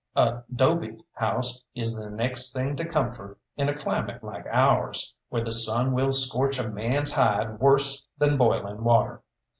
A 'dobe house is the next thing to comfort in a climate like ours, where the sun will scorch a man's hide worse than boiling water.